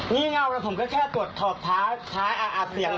นี่เง่าว่ะผมก็แค่กดถอดท้ายอาดเสียงเลย